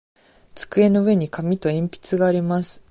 机の上に紙と鉛筆があります。